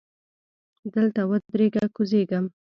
دلته ودریږه! کوزیږم.